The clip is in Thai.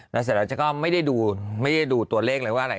แล้วเสร็จแล้วฉันก็ไม่ได้ดูตัวเลขเลยว่าอะไร